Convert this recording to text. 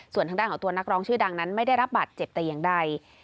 ส่วนทางด้านของตัวนักร้องชื่อดังนั้นไม่ได้รับบัตรเจ็บแต่อย่างใด